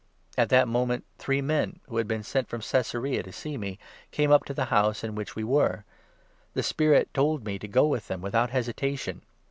At that moment three men, who had been sent from Caesarea n to see me, came up to the house in which we were. The 12 Spirit told me to go with them without hesitation.